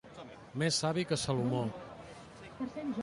Més savi que Salomó.